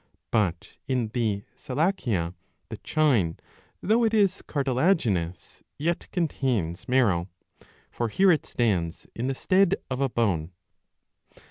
But in the Selachia the chine, though it is cartilaginous, yet contains marrow ; for here it stands in the stead of a bone.